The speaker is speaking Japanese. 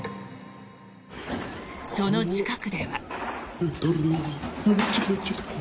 その近くでは。